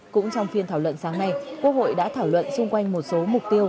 cũng trong phiên thảo luận sáng nay quốc hội đã thảo luận xung quanh một số mục tiêu